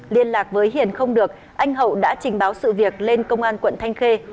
liên lạc với hiền không được anh hậu đã trình báo sự việc lên công an quận thanh khê